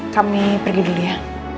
kami pergi dulu ya